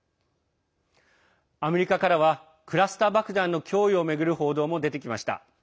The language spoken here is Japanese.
アメリカからはクラスター爆弾の供与を巡る報道も出てきました。